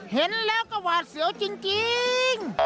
เห็นแล้วก็หวาดเสียวจริง